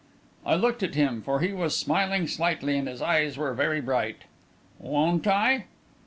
I looked at him, for he was smiling slightly and his eyes were very bright. "Won't I?"